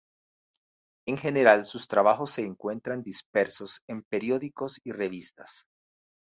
En general sus trabajos se encuentran dispersos en periódicos y revistas.